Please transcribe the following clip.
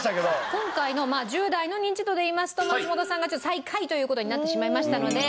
今回の１０代のニンチドでいいますと松本さんが最下位という事になってしまいましたので。